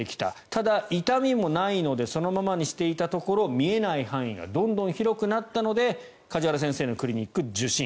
ただ痛みもないのでそのままにしていたところ見えない範囲がどんどん広くなったので梶原先生のクリニックを受診。